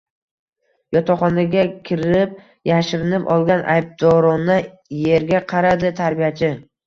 Yotoqxonaga kirib yashirinib olgan, aybdorona erga qaradi tarbiyachi